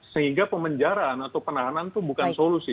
sehingga pemenjaraan atau penahanan itu bukan solusi